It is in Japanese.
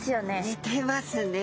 似てますね。